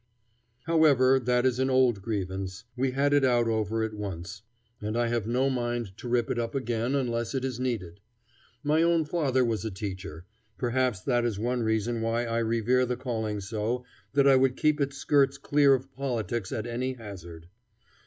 However, that is an old grievance. We had it out over it once, and I have no mind to rip it up again unless it is needed. My own father was a teacher; perhaps that is one reason why I revere the calling so that I would keep its skirts clear of politics at any hazard.